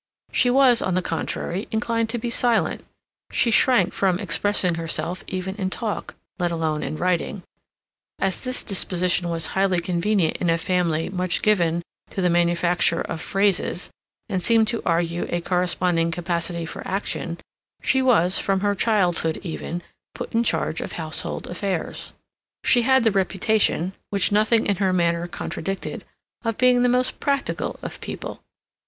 She was, on the contrary, inclined to be silent; she shrank from expressing herself even in talk, let alone in writing. As this disposition was highly convenient in a family much given to the manufacture of phrases, and seemed to argue a corresponding capacity for action, she was, from her childhood even, put in charge of household affairs. She had the reputation, which nothing in her manner contradicted, of being the most practical of people.